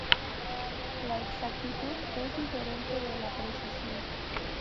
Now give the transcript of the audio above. La exactitud es diferente de la precisión.